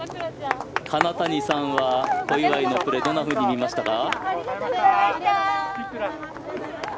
金谷さんは小祝のプレーどんなふうに見ましたか？